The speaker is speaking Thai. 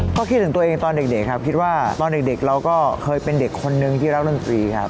ผมคิดว่าตอนเด็กเราก็เคยเป็นเด็กคนนึงที่รักดนตรีครับ